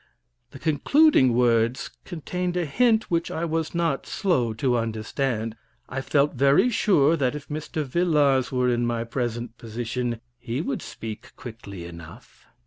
The concluding words contained a hint which I was not slow to understand. I felt very sure that if Mr. Vilars were in my present position he would speak quickly enough.